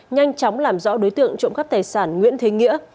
nhanh chóng làm rõ đối tượng trộm cắp tài sản nguyễn thế nghĩa